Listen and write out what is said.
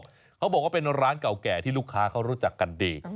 เขาบอกว่าเป็นร้านเก่าแก่ที่ลูกค้าเขารู้จักกันดี